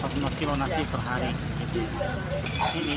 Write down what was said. empat puluh lima kilo nasi per hari